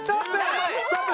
ストップ！